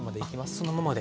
そのままで。